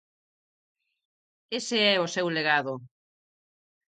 Ese é o seu legado.